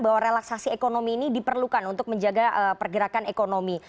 bahwa relaksasi ekonomi ini diperlukan untuk menjaga pergerakan ekonomi